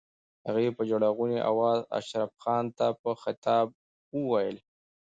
هغې په ژړغوني آواز اشرف خان ته په خطاب وويل.